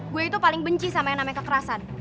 gue itu paling benci sama yang namanya kekerasan